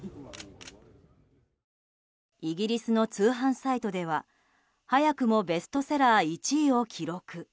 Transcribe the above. イギリスの通販サイトでは早くもベストセラー１位を記録。